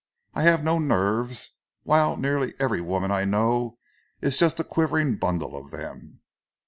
I have no nerves, whilst nearly every woman I know is just a quivering bundle of them.